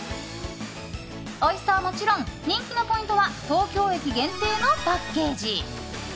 おいしさはもちろん人気のポイントは東京駅限定のパッケージ。